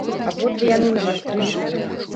Абодва яны навастрылі слых.